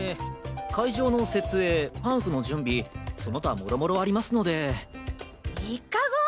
会場の設営パンフの準備その他もろもろありますので３日後！